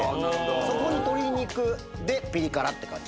そこに鶏肉でピリ辛って感じ。